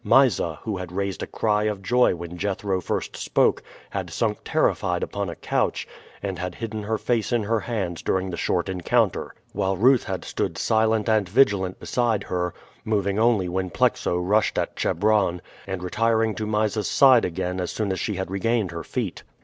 Mysa, who had raised a cry of joy when Jethro first spoke, had sunk terrified upon a couch, and had hidden her face in her hands during the short encounter; while Ruth had stood silent and vigilant beside her, moving only when Plexo rushed at Chebron, and retiring to Mysa's side again as soon as she had regained her feet.